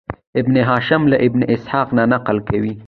ابن هشام له ابن اسحاق نه نقل کوي.